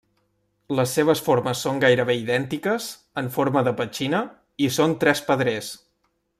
Les seves formes són gairebé idèntiques, en forma de petxina, i són tres pedrers.